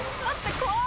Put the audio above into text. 怖い！